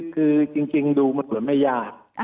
คือจริงดูมันไม่ยาก